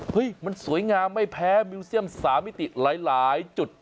มันสวยงามไม่แพ้มิวเซียม๓มิติหลายจุด